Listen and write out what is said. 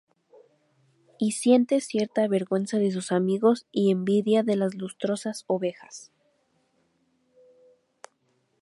Y siente cierta vergüenza de sus amigos y envidia de las lustrosas ovejas.